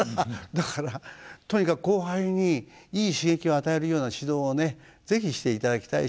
だからとにかく後輩にいい刺激を与えるような指導をね是非していただきたいし。